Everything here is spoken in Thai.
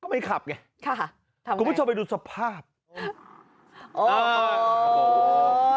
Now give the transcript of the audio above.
ก็ไม่ขับไงคุณผู้ชมไปดูสภาพค่ะทำไง